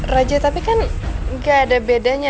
raja tapi kan gak ada bedanya